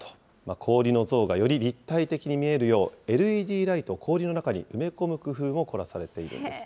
氷の像がより立体的に見えるよう、ＬＥＤライトを氷の中に埋め込む工夫を凝らされているんです。